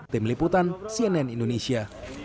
tim liputan cnn indonesia